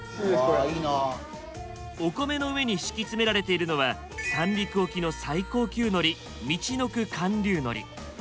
お米の上に敷き詰められているのは三陸沖の最高級海苔みちのく寒流のり。